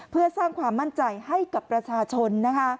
เพื่อสร้างความมั่นใจให้กับประชาชน